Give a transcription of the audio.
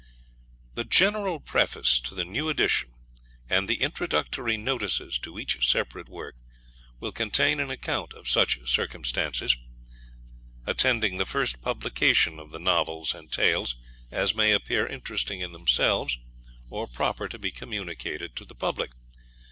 The General Preface to the new Edition, and the Introductory Notices to each separate work, will contain an account of such circumstances attending the first publication of the Novels and Tales as may appear interesting in themselves, or proper to be communicated to the public.